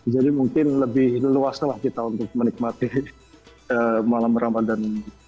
jadi mungkin lebih luas lah kita untuk menikmati malam ramadan